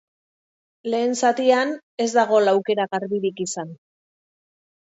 Lehen zatian ez da gol aukera garbirik izan.